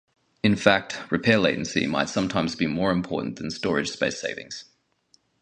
In fact, repair latency might sometimes be more important than storage space savings.